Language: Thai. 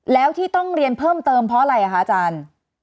แล้วที่ต้องเรียนเพิ่มเติมเพราะอะไรคะอาจารย์